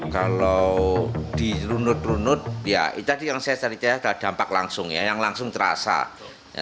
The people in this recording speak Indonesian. kalau di runut runut ya itu tadi yang saya cari cari adalah dampak langsung ya yang langsung terasa